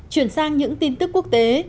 chuyển sang những tin tức quốc tế